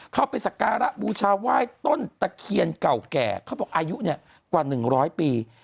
เข้าไปสการะบูชาไหว้ต้นตะเคียนเก่าแก่เขาบอกอายุเนี่ยกว่าหนึ่งร้อยปี